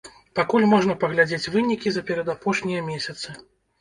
Пакуль можна паглядзець вынікі за перадапошнія месяцы.